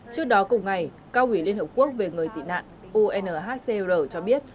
trước đó cùng ngày cao ủy liên hợp quốc về người tị nạn unhcr cho biết